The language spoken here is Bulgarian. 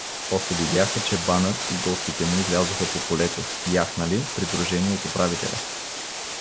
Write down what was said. После видяха, че банът и гостите му излязоха по полето, яхнали, придружени от управителя.